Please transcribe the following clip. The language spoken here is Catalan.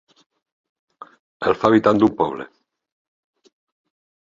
El fa habitant d'un poble.